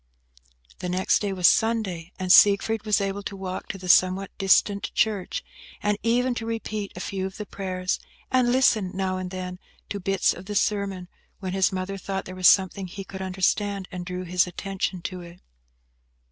The next day was Sunday, and Siegfried was able to walk to the somewhat distant church, and even to repeat a few of the prayers, and listen, now and then, to bits of the sermon, when his mother thought there was something he could understand, and drew his attention to it.